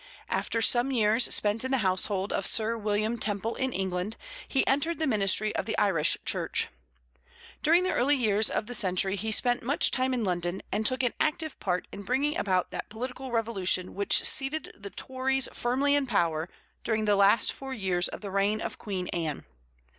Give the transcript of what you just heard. After some years spent in the household of Sir William Temple in England, he entered the ministry of the Irish Church. During the early years of the century he spent much time in London, and took an active part in bringing about that political revolution which seated the Tories firmly in power during the last four years of the reign of Queen Anne.